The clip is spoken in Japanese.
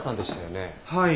はい。